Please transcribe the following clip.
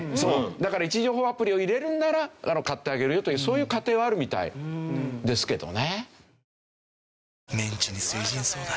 だから位置情報アプリを入れるなら買ってあげるよというそういう家庭はあるみたいですけどね。